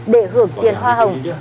để hưởng tiền hoa hồng